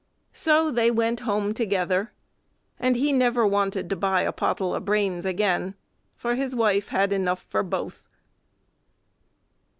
So they went home together, and he never wanted to buy a pottle o' brains again, for his wife had enough for both.